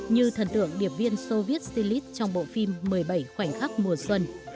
như thần tượng điệp viên soviet silit trong bộ phim một mươi bảy khoảnh khắc mùa xuân